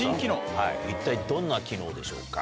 一体どんな機能でしょうか？